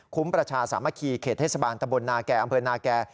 ประชาสามัคคีเขตเทศบาลตะบลนาแก่อำเภอนาแก่